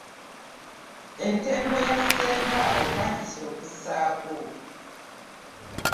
Entembo ya ssenga etandise okussaako.